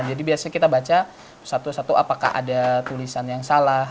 jadi biasanya kita baca satu satu apakah ada tulisan yang salah